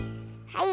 はい。